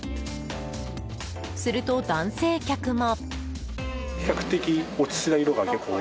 すると、男性客も。